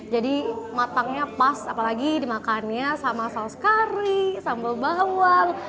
jadi matangnya pas apalagi dimakannya sama saus kari sambal bawang